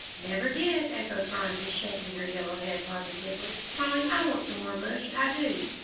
"Never did!" echoed Phronsie, shaking her yellow head positively. "Polly, I want some more mush, I do."